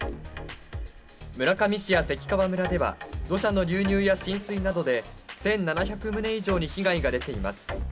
村上市や関川村では、土砂の流入や浸水などで、１７００棟以上に被害が出ています。